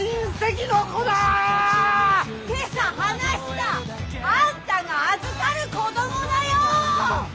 今朝話したあんたが預かる子どもだよ！